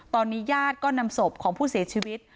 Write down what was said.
ตอนนี้ญาติก็นำศพของผู้เสียชีวิต